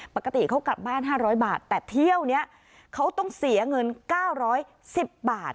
ปกติเขากลับบ้านห้าร้อยบาทแต่เที่ยวเนี้ยเขาต้องเสียเงินเก้าร้อยสิบบาท